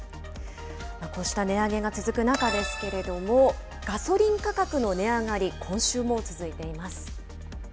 こうした値上げが続く中ですけれども、ガソリン価格の値上がり、今週も続いています。